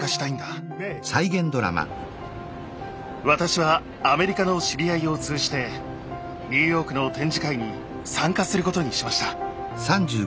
私はアメリカの知り合いを通じてニューヨークの展示会に参加することにしました。